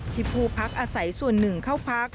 ผู้พักอาศัยส่วนหนึ่งเข้าพัก